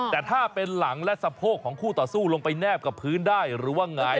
แต่ถ้าเป็นหลังและสะโพกของคู่ต่อสู้ลงไปแนบกับพื้นได้หรือว่าหงาย